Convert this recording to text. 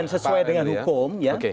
sesuai dengan hukum ya